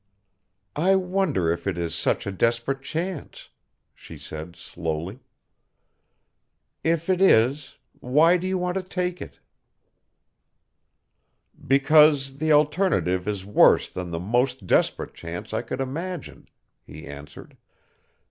"I wonder if it is such a desperate chance?" she said slowly. "If it is, why do you want to take it?" "Because the alternative is worse than the most desperate chance I could imagine," he answered.